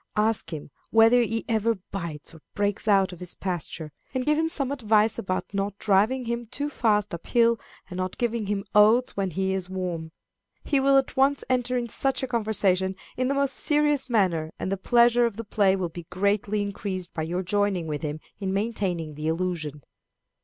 Ask him whether he ever bites, or breaks out of his pasture; and give him some advice about not driving him too fast up hill, and not giving him oats when he is warm. He will at once enter into such a conversation in the most serious manner, and the pleasure of his play will be greatly increased by your joining with him in maintaining the illusion.